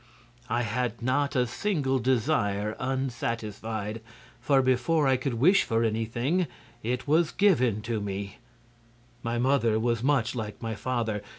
I had not a single desire unsatisfied, for before I could wish for anything it was given me. "My mother was much like my father.